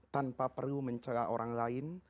tanpa perlu mencela orang lain